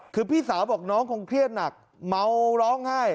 คือพี่สาวบอกน้องคงเครียดหนักเมาร้องไห้